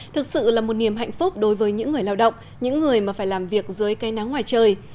thực sự là một niềm hạnh phúc đối với những người lao động những người mà phải làm việc dưới cây nắng ngoài trời